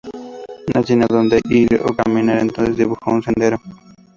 No tiene adónde ir a caminar, entonces dibujo un sendero.